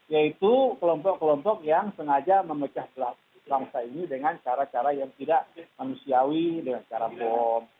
yaitu kelompok kelompok yang sengaja memecah bangsa ini dengan cara cara yang tidak manusiawi dengan cara bom